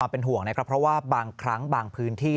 เป็นห่วงนะครับเพราะว่าบางครั้งบางพื้นที่